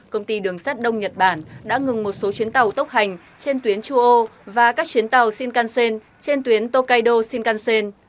công ty đường sắt đông nhật bản đã ngừng một số chuyến tàu tốc hành trên tuyến chuo và các chuyến tàu shinkansen trên tuyến tokaido shinkansen